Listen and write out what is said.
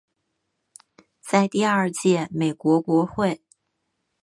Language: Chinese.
在第二届美国国会。